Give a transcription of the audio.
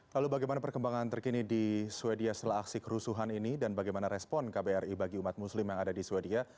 lalu bagaimana perkembangan terkini di sweden setelah aksi kerusuhan ini dan bagaimana respon kbri bagi umat muslim yang ada di sweden